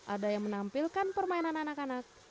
ada yang menampilkan permainan anak anak